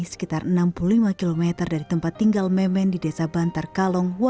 sekitar enam puluh lima km dari tempat tinggal memen di desa bantar kalong